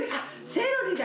セロリだ！